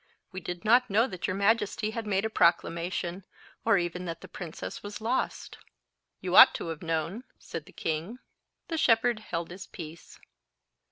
We did not know that your majesty had made a proclamation, or even that the princess was lost." "You ought to have known," said the king. The shepherd held his peace.